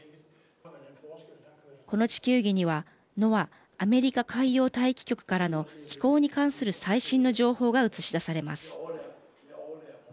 この地球儀にはＮＯＡＡ＝アメリカ海洋大気局からの気候に関する最新の情報が映し出されます。